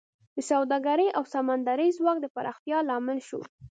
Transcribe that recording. د سوداګرۍ او سمندري ځواک د پراختیا لامل شو